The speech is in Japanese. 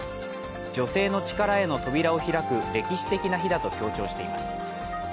女性の力への扉を開く歴史的な日だと強調しています。